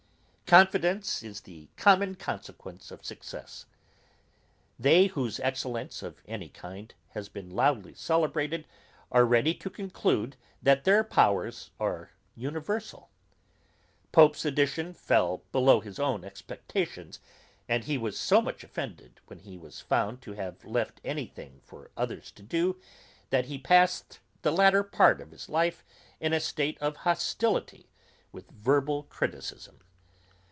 Confidence is the common consequence of success. They whose excellence of any kind has been loudly celebrated, are ready to conclude, that their powers are universal. Pope's edition fell below his own expectations, and he was so much offended, when he was found to have left any thing for others to do, that he past the latter part of his life in a state of hostility with verbal criticism.